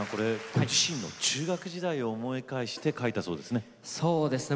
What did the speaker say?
ご自身の中学時代を思い返して書いたそうですね。